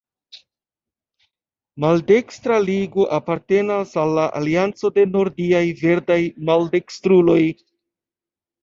Maldekstra Ligo apartenas al la Alianco de Nordiaj Verdaj Maldekstruloj.